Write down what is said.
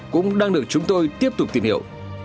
cũng đang được chúng tôi tiếp tục tìm hiểu